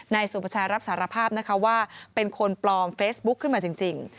สุภาชัยรับสารภาพนะคะว่าเป็นคนปลอมเฟซบุ๊คขึ้นมาจริง